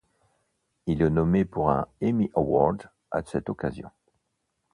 Il est nommé pour un Emmy Award à cette occasion.